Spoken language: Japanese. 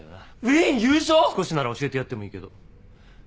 少しなら教えてやってもいいけど。